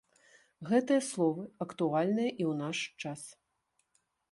Гэтыя словы актуальныя і ў наш час.